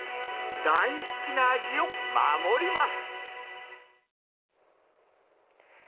大好きな味を守ります。